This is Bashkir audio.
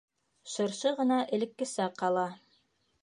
Шыршы ғына элеккесә ҡала.